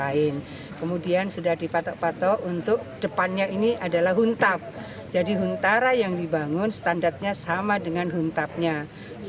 jika material bangunan disiapkan di sekitar lokasi relokasi